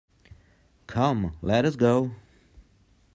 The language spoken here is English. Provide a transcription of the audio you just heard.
Come, let us go!